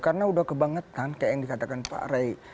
karena udah kebangetan kayak yang dikatakan pak ray